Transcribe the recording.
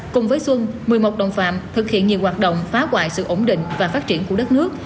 cùng với xuân một mươi một đồng phạm thực hiện nhiều hoạt động phá hoại sự ổn định và phát triển của đất nước